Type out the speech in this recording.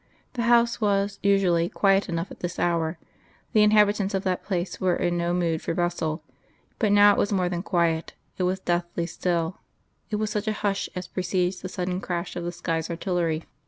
The house was, usually, quiet enough at this hour: the inhabitants of that place were in no mood for bustle: but now it was more than quiet; it was deathly still: it was such a hush as precedes the sudden crash of the sky's artillery.